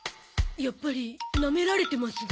やっぱりなめられてますな。